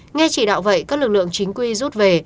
nghe chỉ đạo vậy các lực lượng chính quy rút về